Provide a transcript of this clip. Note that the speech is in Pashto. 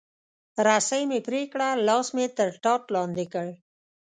رسۍ مې پرې کړه، لاس مې تر ټاټ لاندې کړ.